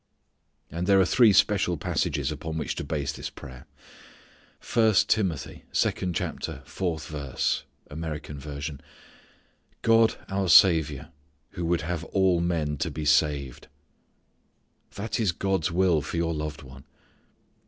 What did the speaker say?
And there are three special passages upon which to base this prayer. First Timothy, second chapter, fourth verse (American version), "God our Saviour, who would have all men to be saved." That is God's will for your loved one.